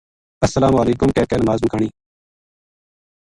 السلام علیکم کہہ کے نماز مکانی